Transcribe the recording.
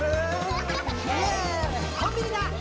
「コンビニだ！